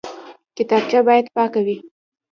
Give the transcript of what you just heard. کتابچه باید پاکه وي